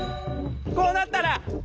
こうなったら。